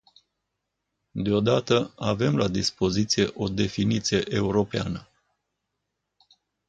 Deodată, avem la dispoziție o definiție europeană.